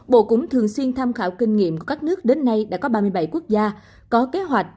bộ cũng thường xuyên tham khảo kinh nghiệm của các nước đến nay đã có ba mươi bảy quốc gia có kế hoạch